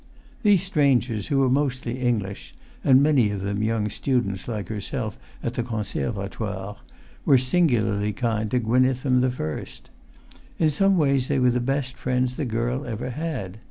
These strangers, who were mostly English, and many of them young students like herself at the Conservatoire, were singularly kind to Gwynneth from the first. In some ways they were the best friends the girl ever had.